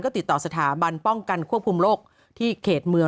ติดต่อสถาบันป้องกันควบคุมโรคที่เขตเมือง